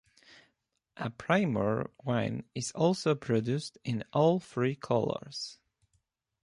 A Primeur wine is also produced in all three colours.